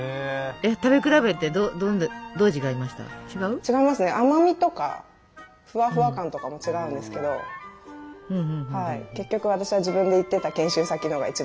違いますね甘みとかフワフワ感とかも違うんですけど結局私は自分で行ってた研修先のが一番好きでしたね。